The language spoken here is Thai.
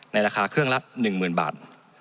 ราคาเครื่องละ๑๐๐๐บาท